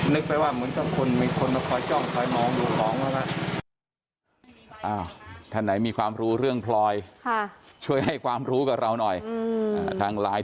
นึกไปว่าเหมือนเป็นคนในคนคอยจ้องคอยมองถูกว่ายูค้อง